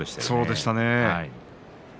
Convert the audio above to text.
そうでしたね。